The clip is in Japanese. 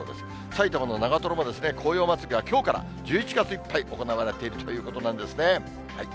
埼玉の長瀞も、紅葉祭りがきょうから１１月いっぱい行われているということなんですね。